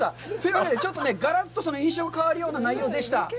がらっと印象が変わるような内容でした。